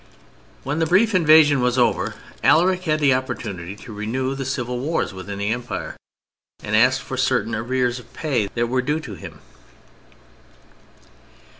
When the brief invasion was over, Alaric had the opportunity to renew the civil wars within the Empire, and asked for certain arrears of pay that were due to him.